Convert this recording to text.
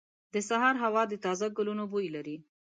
• د سهار هوا د تازه ګلونو بوی لري.